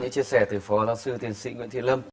những chia sẻ từ phó giáo sư tiến sĩ nguyễn thị lâm